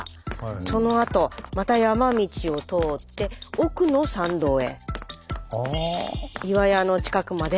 そのあとまた山道を通って奥の山道へ。